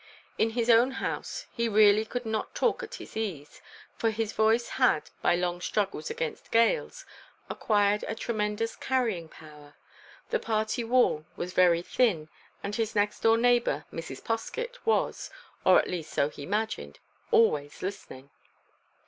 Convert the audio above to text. In his own house he really could not talk at his ease, for his voice had, by long struggles against gales, acquired a tremendous carrying power; the party wall was very thin, and his next door neighbour, Mrs. Poskett, was—or, at least, so he imagined—always listening.